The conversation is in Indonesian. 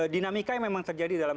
dinamika yang memang terjadi dalam